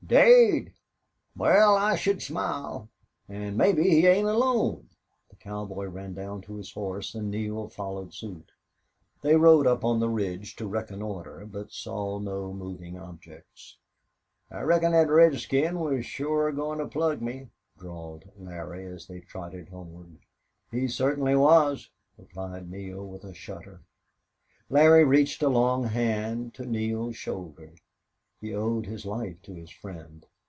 "Daid! Wal, I should smile.... An' mebbe he ain't alone." The cowboy ran down to his horse and Neale followed suit. They rode up on the ridge to reconnoiter, but saw no moving objects. "I reckon thet redskin was shore a goin' to plug me," drawled Larry, as they trotted homeward. "He certainly was," replied Neale, with a shudder. Larry reached a long hand to Neale's shoulder. He owed his life to his friend.